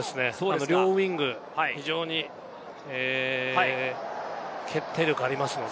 両ウイング、非常に決定力がありますので。